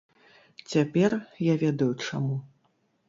Цяпер я ведаю, чаму.